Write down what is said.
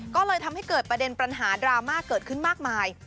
ก็เลยทำให้เกิดประเด็นปัญหาดราม่าเกิดขึ้นมากมาย